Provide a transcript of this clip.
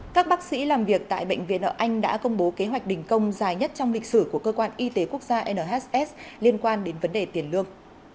các bác sĩ làm việc tại bệnh viện ở anh đã công bố kế hoạch đình công dài nhất trong lịch sử của cơ quan y tế quốc gia nhs liên quan đến vấn đề tiền lương